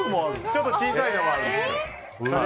ちょっと小さいのもあるんですよ。